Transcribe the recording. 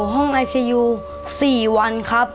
ห้องไอซียู๔วันครับ